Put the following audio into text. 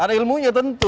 ada ilmunya tentu